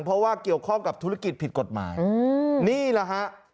เพราะว่าเกี่ยวข้องกับธุรกิจผิดกฎหมายนี่แหละฮะ